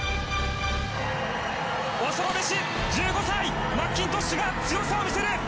恐るべし１５歳マッキントッシュが強さを見える！